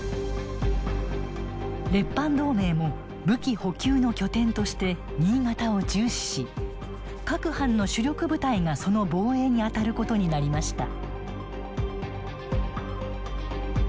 列藩同盟も武器補給の拠点として新潟を重視し各藩の主力部隊がその防衛に当たることになりました。